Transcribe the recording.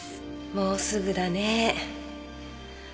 もうすぐだね。